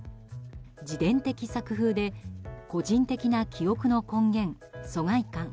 自伝的作風で個人的な記憶の根源疎外感